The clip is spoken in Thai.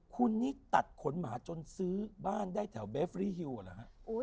คุณนี่ตัดขนหมาจนซื้อบ้านได้แถวเบฟรีฮิวเหรอฮะ